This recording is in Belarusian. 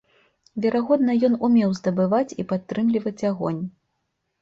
Верагодна ён умеў здабываць і падтрымліваць агонь.